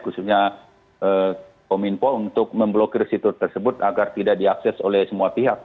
khususnya kominfo untuk memblokir situs tersebut agar tidak diakses oleh semua pihak